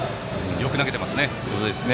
よく投げています。